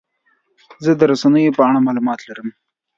زه د رسنیو په اړه معلومات لرم.